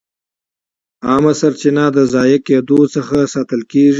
عامه سرچینې د ضایع کېدو څخه ساتل کېږي.